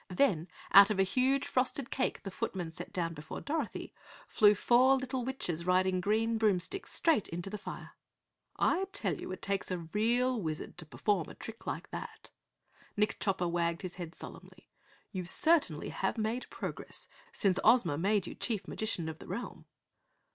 Then, out of a huge, frosted cake the footman set down before Dorothy, flew four little witches riding green broom sticks, straight into the fire. "I tell you it takes a real Wizard to perform a trick like that." Nick Chopper wagged his head solemnly. "You certainly have made progress since Ozma made you Chief Magician of the Realm."